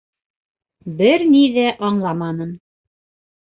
Бер ни ҙә аңламаным.